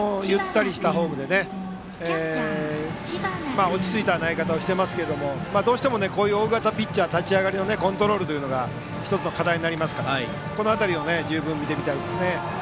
ゆったりしたフォームで落ち着いた投げ方をしていますけどどうしてもこういう大型ピッチャーは立ち上がりのコントロールが１つ、課題になりますからこの辺りを見てみたいですね。